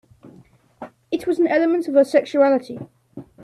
It was an element of her sexuality.